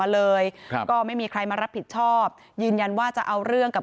เลยครับก็ไม่มีใครมารับผิดชอบยืนยันว่าจะเอาเรื่องกับ